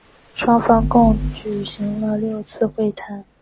双方共举行了六次会谈。